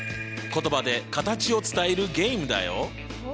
言葉で形を伝えるゲームだよ。